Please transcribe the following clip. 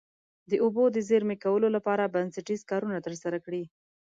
د اوبو د زیرمه کولو لپاره بنسټیز کارونه ترسره کړي.